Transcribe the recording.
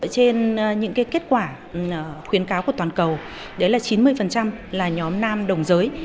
trên những kết quả khuyến cáo của toàn cầu chín mươi là nhóm nam đồng giới